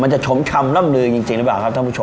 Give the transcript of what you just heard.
มันจะชมชำร่ำเรือยิ่งจริงรึเปล่ากับท่านผู้ชม